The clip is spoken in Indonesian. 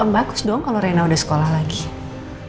bagus dong kalau rena udah sekolah lagi